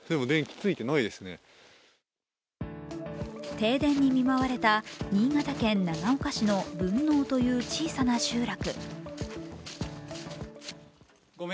停電に見舞われた新潟県長岡市の文納という小さな集落。